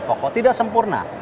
pokok tidak sempurna